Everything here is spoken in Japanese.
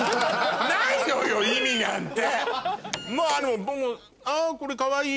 ないのよ意味なんて！